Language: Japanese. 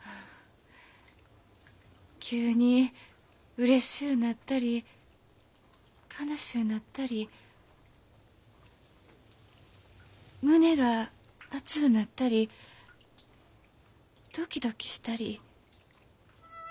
急にうれしゅうなったり悲しゅうなったり胸が熱うなったりドキドキしたり。